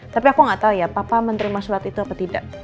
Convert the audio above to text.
tapi aku nggak tahu ya papa menerima surat itu apa tidak